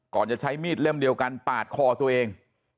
ก่อนจะใช้มีดเลือดเหลวกันปาดคอตัวเอง